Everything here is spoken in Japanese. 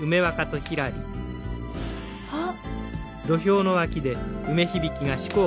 あっ！